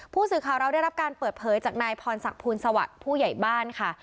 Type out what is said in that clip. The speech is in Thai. ผู้สื่อข่าวเราได้รับการเปิดเผยจากนายพรศักดิ์ภูลสวัสดิ์ผู้ใหญ่บ้านค่ะ